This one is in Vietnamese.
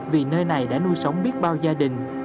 vì nơi này đã nuôi sống biết bao gia đình